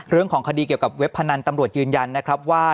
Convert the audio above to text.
เรื่องของคดีเกี่ยวกับเว็บพนันตำรวจยืนยันนะครับว่า